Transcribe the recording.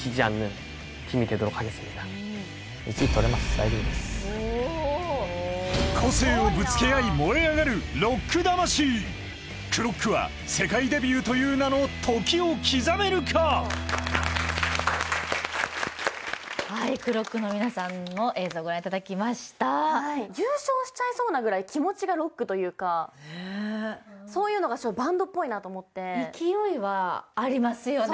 大丈夫です個性をぶつけ合い燃え上がるロック魂ＣＬＲＯＣＫは世界デビューという名の時を刻めるか⁉ＣＬＲＯＣＫの皆さんの映像ご覧いただきました優勝しちゃいそうなぐらい気持ちがロックというかそういうのがバンドっぽいなと思って勢いはありますよね